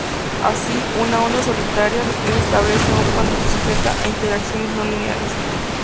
Así, una onda solitaria es estable aún cuando es sujeta a interacciones no lineales.